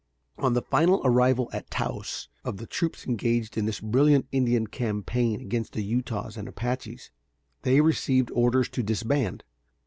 On the final arrival at Taos of the troops engaged in this brilliant Indian campaign against the Utahs and Apaches, they received orders to disband.